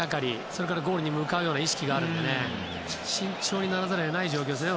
それからゴールに向かう意識があるので慎重にならざるを得ない状況ですね。